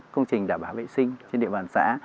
công trình đảm bảo vệ sinh trên địa bàn xã